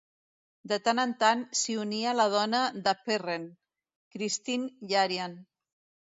De tant en tant, s'hi unia la dona de Perren, Christine Yarian.